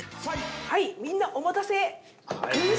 はいみんなお待たせ。